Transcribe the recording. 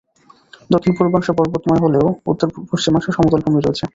দক্ষিণ-পূর্বাংশে পর্বতময় হলেও উত্তর-পশ্চিমাংশে সমতলভূমি রয়েছে।